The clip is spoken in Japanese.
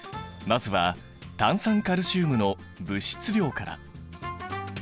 まずは炭酸カルシウムの物質量から。